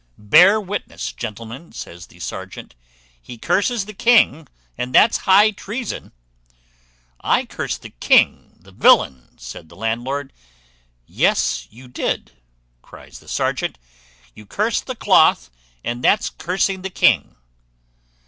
"Bear witness, gentlemen," says the serjeant, "he curses the king, and that's high treason." "I curse the king! you villain," said the landlord. "Yes, you did," cries the serjeant; "you cursed the cloth, and that's cursing the king.